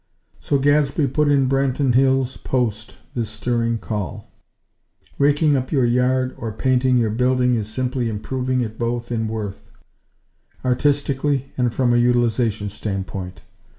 So Gadsby put in Branton Hills' "Post" this stirring call: "Raking up your yard or painting your building is simply improving it both in worth; artistically and from a utilization standpoint.